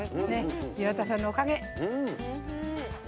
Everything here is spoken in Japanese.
岩田さんの、おかげ。